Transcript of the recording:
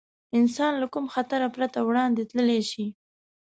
انسان له کوم خطر پرته وړاندې تللی شي.